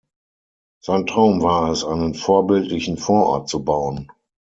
Sein Traum war es, einen vorbildlichen Vorort zu bauen.